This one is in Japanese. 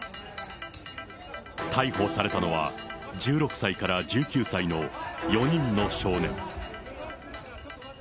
逮捕されたのは、１６歳から１９歳の４人の少年。